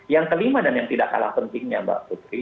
yang kelima dan yang tidak kalah pentingnya mbak putri